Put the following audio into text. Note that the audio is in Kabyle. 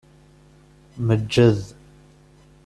Meǧǧed.